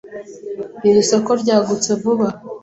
Iri soko ryagutse vuba.